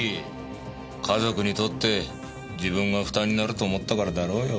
家族にとって自分が負担になると思ったからだろうよ。